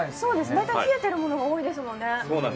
大体冷えているものが多いですもんね。